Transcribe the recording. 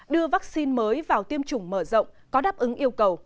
đưa vaccine mới vào tiêm chủng mở rộng có đáp ứng yêu cầu